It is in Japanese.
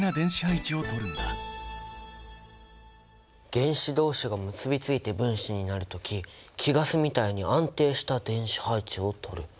原子同士が結びついて分子になる時貴ガスみたいに安定した電子配置をとる。